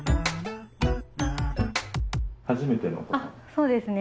そうですね。